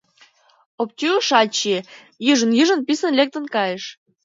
Оптю ышат чие, йыж-йыж писын лектын кайыш.